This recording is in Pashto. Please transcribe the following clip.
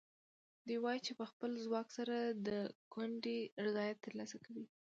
دوی وایي چې په خپل ځواک سره د کونډې رضایت ترلاسه کوي.